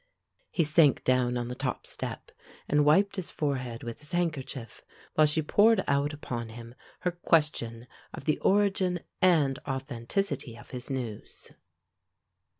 He sank down on the top step, and wiped his forehead with his handkerchief, while she poured out upon him her question of the origin and authenticity of his news.